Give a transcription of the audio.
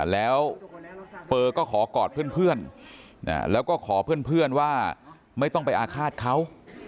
แล้วเปอร์ก็ขอกอดเพื่อนแล้วก็ขอเพื่อนว่าไม่ต้องไปอาฆาตเขา